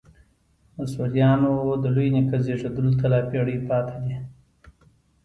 د سوریانو د لوی نیکه زېږېدلو ته لا پېړۍ پاته دي.